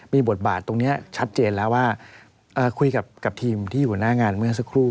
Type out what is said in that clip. มีบทบาทตรงนี้ชัดเจนแล้วว่าคุยกับทีมที่หัวหน้างานเมื่อสักครู่